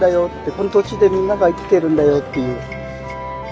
この土地でみんなが生きてるんだよっていう。